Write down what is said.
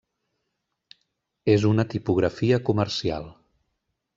És una tipografia comercial.